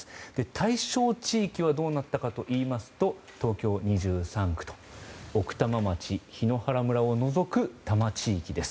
対象地域はどうなったかといいますと東京２３区と奥多摩町、檜原村を除く多摩地域です。